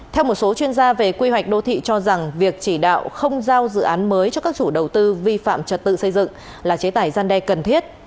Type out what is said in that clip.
theo một số chuyên gia về quy hoạch đô thị cho rằng việc chỉ đạo không giao dự án mới cho các chủ đầu tư vi phạm trật tự xây dựng là chế tải gian đe cần thiết